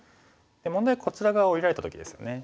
問題はこちら側下りられた時ですよね。